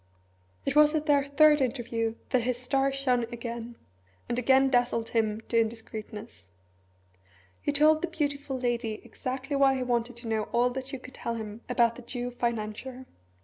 It was at their third interview that his star shone again, and again dazzled him to indiscreetness. He told the beautiful lady exactly why he wanted to know all that she could tell him about the Jew financier.